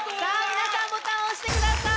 皆さんボタン押してください。